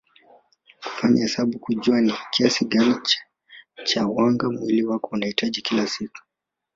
Kufanya hesabu kujua ni kiasi gani cha wanga mwili wako unahitaji kila siku